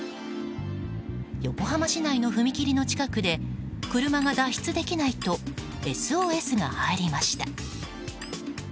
横浜市内の踏切の近くで車が脱出できないとＳＯＳが入りました。